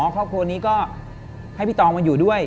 ครอบครัวนี้ก็ให้พี่ตองมาอยู่ด้วย